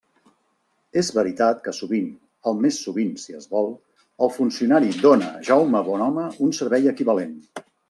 És veritat que sovint, el més sovint si es vol, el funcionari dóna a Jaume Bonhome un servei equivalent.